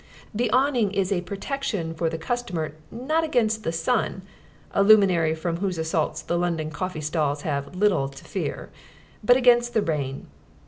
The awning is a protection for the customer not against the sun a luminary from whose assaults the London coffee stalls have little to fear but against the rain.